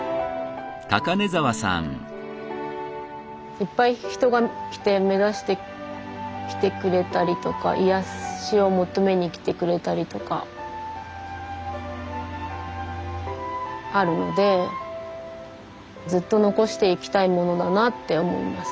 いっぱい人が来て目指してきてくれたりとか癒やしを求めに来てくれたりとかあるのでずっと残していきたいものだなって思います